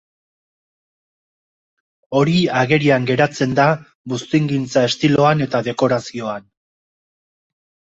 Hori agerian geratzen da buztingintza estiloan eta dekorazioan.